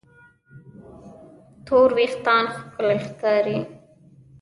تور وېښتيان ښکلي ښکاري.